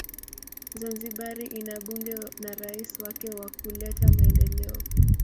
Zanzibari ina bunge na rais wake wakuleta Maendeleo